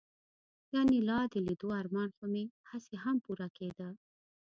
د انیلا د لیدو ارمان خو مې هسې هم پوره کېده